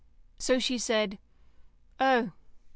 So she said, "Oh."